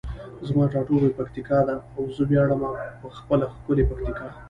زما ټاټوبی پکتیکا ده او زه ویاړمه په خپله ښکلي پکتیکا.